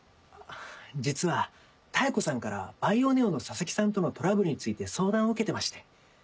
あ実は妙子さんからバイオネオの佐々木さんとのトラブルについて相談を受けてまして。